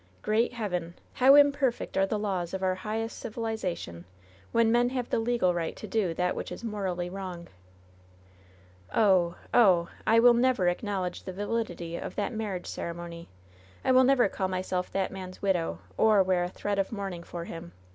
Great Heaven 1 how imperfect are the laws of our highest civi lization, when men have the legal right to do that which is morally wrong !'* "Oh! oh! I will never acknowledge the validity of that marriage ceremony ! I will never call myself that man's widow, or wear a thread of mourning for him